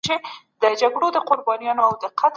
ولي په ژور خوب کي مغز خپلي حجرې بیا رغوي؟